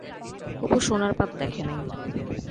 অপু সোনার পাত দেখে নাই।